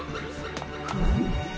フム？